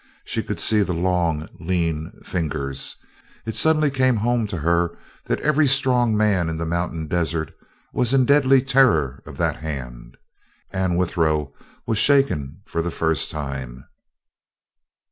She could see the long, lean fingers. It suddenly came home to her that every strong man in the mountain desert was in deadly terror of that hand. Anne Withero was shaken for the first time.